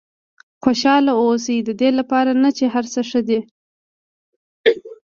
خوشاله واوسئ ددې لپاره نه چې هر څه ښه دي.